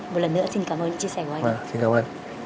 một lần nữa xin cảm ơn chia sẻ của anh